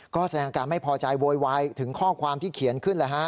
ก็แสดงการไม่พอใจโวยวายถึงข้อความที่เขียนขึ้น